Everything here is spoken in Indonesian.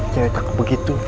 jangan takut begitu